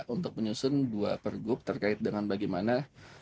untuk menyusun dua pergub terkait dengan bagaimana